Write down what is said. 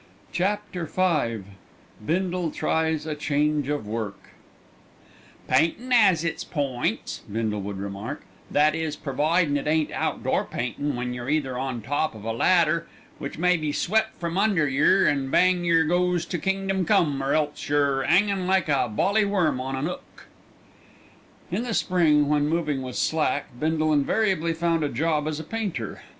CHAPTER V BINDLE TRIES A CHANGE OF WORK "Paintin' 'as its points," Bindle would remark, "that is, providin' it ain't outdoor paintin', when you're either on top of a ladder, which may be swep' from under yer and bang yer goes to Kingdom Come, or else you're 'angin' like a bally worm on an 'ook." In the spring when moving was slack, Bindle invariably found a job as a painter.